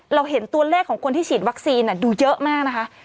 เราเห็นตัวเลขของคนที่ฉีดวัคซีนดูเยอะมากนะคะ